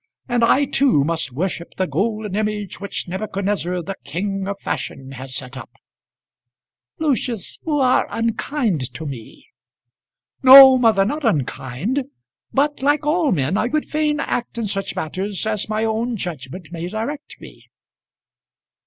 And I too must worship the golden image which Nebuchadnezzar, the King of Fashion, has set up!" "Lucius, you are unkind to me." "No, mother, not unkind; but like all men, I would fain act in such matters as my own judgment may direct me."